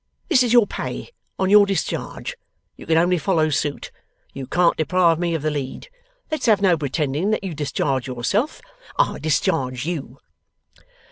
This is your pay, on your discharge. You can only follow suit. You can't deprive me of the lead. Let's have no pretending that you discharge yourself. I discharge you.